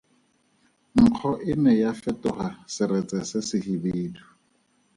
Nkgo e ne ya fetoga seretse se sehibidu.